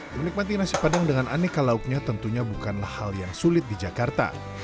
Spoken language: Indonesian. menikmati nasi padang dengan aneka lauknya tentunya bukanlah hal yang sulit di jakarta